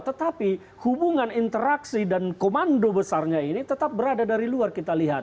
tetapi hubungan interaksi dan komando besarnya ini tetap berada dari luar kita lihat